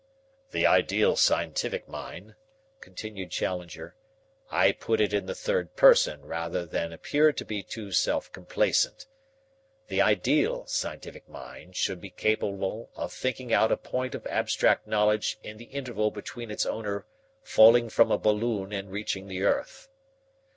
"The ideal scientific mind," continued Challenger "I put it in the third person rather than appear to be too self complacent the ideal scientific mind should be capable of thinking out a point of abstract knowledge in the interval between its owner falling from a balloon and reaching the earth.